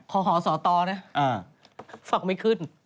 ขอสอตอเนี่ยฝักไม่ขึ้น